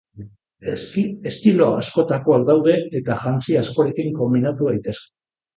Estilo askotakoak daude eta jantzi askorekin konbinatu daitezke.